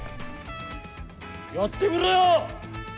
やってみろよ！